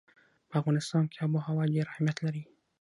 په افغانستان کې آب وهوا ډېر اهمیت لري.